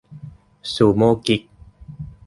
ซูโม่กิ๊ก